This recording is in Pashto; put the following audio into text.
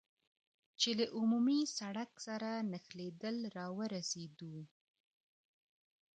چې له عمومي سړک سره نښلېدل را ورسېدو.